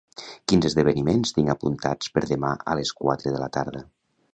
Quins esdeveniments tinc apuntats per demà a les quatre de la tarda?